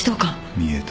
見えたか。